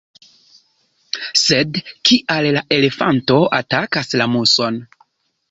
Sed kial la elefanto atakas la muson?